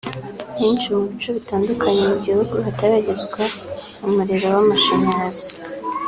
Henshi mu bice bitandukanye mu gihugu hataragezwa umuriro w’amashanyarazi